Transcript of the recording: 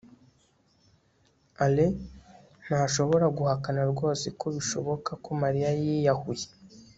alain ntashobora guhakana rwose ko bishoboka ko mariya yiyahuye